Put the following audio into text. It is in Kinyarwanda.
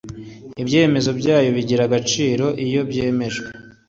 ibyemezo byayo bigira agaciro iyo byemejwe